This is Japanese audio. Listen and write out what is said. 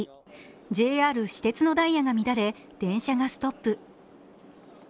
ＪＲ、私鉄のダイヤが乱れ、電車がストップ。